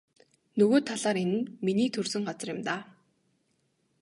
Нөгөө талаар энэ нь миний төрсөн газар юм даа.